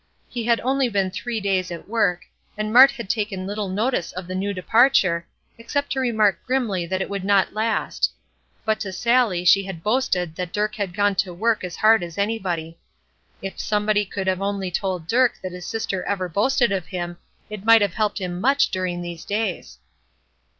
He had only been three days at work, and Mart had taken little notice of the new departure, except to remark grimly that it would not last; but to Sallie she had boasted that Dirk had gone to work as hard as anybody. If somebody could only have told Dirk that his sister ever boasted of him it might have helped him much during these days.